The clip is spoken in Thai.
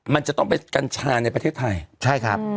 มันจะต้องเป็นกัญชาในประเทศไทยใช่ครับ